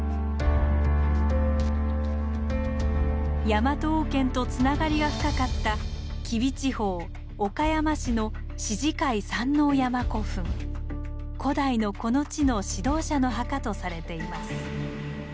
ヤマト王権とつながりが深かった吉備地方岡山市の古代のこの地の指導者の墓とされています。